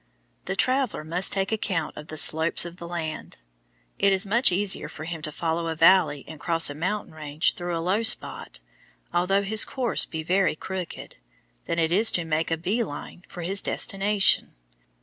The traveller must take account of the slopes of the land. It is much easier for him to follow a valley and cross a mountain range through a low spot, although his course be very crooked, than it is to make a "bee line" for his destination.